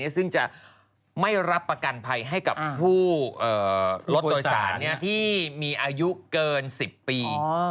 ซึ่งจะไม่รับประกันภัยให้กับผู้รถโดยสารที่มีอายุเกิน๑๐ปี